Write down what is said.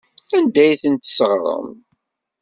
Anda ay tent-tesɣesrem?